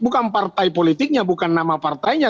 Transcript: bukan partai politiknya bukan nama partainya